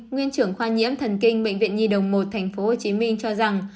nguyên trưởng khoa nhiễm thần kinh bệnh viện nhi đồng một tp hcm cho rằng